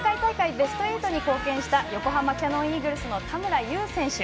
ベスト８に貢献した横浜キヤノンイーグルスの田村優選手。